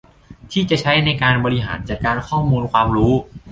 ที่จะใช้ในการบริหารจัดการข้อมูลความรู้